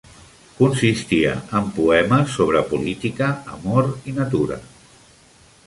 Consistia en poemes sobre política, amor i natura.